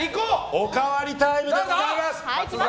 おかわりタイムでございます。